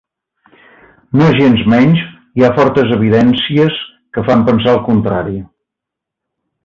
Nogensmenys, hi ha fortes evidències que fan pensar el contrari.